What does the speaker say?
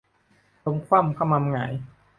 ล้มคว่ำคะมำหงาย